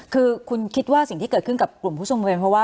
คือคุณคิดว่าสิ่งที่เกิดขึ้นกับกลุ่มผู้ชมนุมเพราะว่า